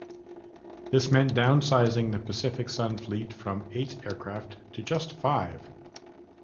This meant downsizing the Pacific Sun fleet from eight aircraft to just five.